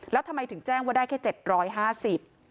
แล้วทำไมถึงแจ้งว่าได้แค่๗๕๐บาท